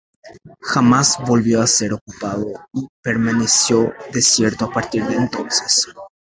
Jamás volvió a ser ocupado y permaneció desierto a partir de entonces.